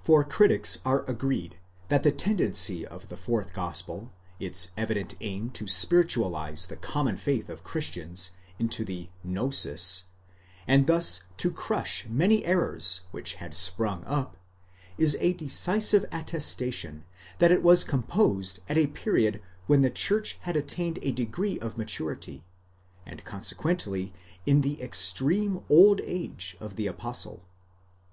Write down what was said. For critics are agreed that the tendency of the fourth gospel, its evident aim to spiritualize the common faith of Christians into the Gnosis, and thus to crush many errors which had sprung up, is a decisive attestation that it was composed at a period when the church had attained a degree of maturity, and consequently in the extreme old age of the apostle.!